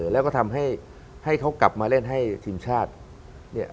แล้วก็ทำให้เขากลับมาเล่นให้ทีมชาติเนี่ย